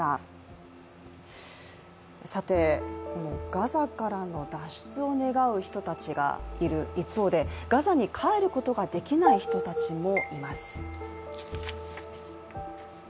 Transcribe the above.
ガザからの脱出を願う人たちがいる一方でガザに帰ることができない人たちもいます。